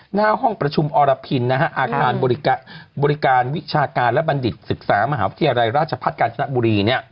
หน้าห้องประชุมอรพินอาคารบริการวิชาการและบัณฑิตศึกษามหาวิทยาลัยราชพัฒน์กาญจนบุรี